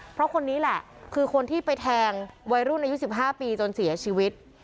เพราะคนนี้แหละคือคนที่ไปแทงวัยรุ่นอายุ๑๕ปีจนเสียชีวิต